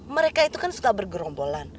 mereka itu kan suka bergerombolan